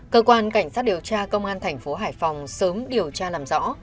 cơ quan cảnh sát điều tra công an thành phố hải phòng sớm điều tra làm rõ